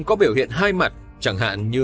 có biểu hiện hai mặt chẳng hạn như